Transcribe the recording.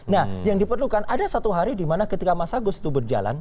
nah yang diperlukan ada satu hari dimana ketika mas agus itu berjalan